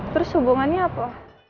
terus hubungannya apa